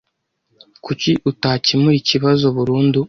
Kuki tutakemura ikibazo burundu?